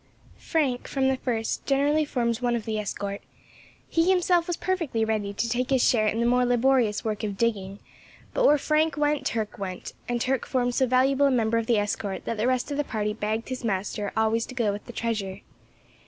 Frank, from the first, generally formed one of the escort; he himself was perfectly ready to take his share in the more laborious work of digging, but where Frank went Turk went, and Turk formed so valuable a member of the escort that the rest of the party begged his master always to go with the treasure.